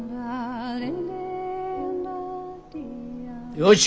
よし。